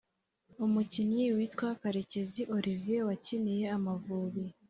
Umukinnyi witwa Karekizi Olivier wakiniye Amavubi